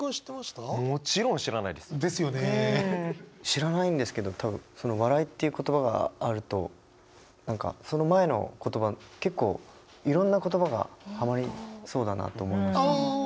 知らないんですけど多分その「笑い」っていう言葉があると何かその前の言葉結構いろんな言葉がハマりそうだなと思いました。